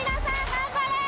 頑張れ！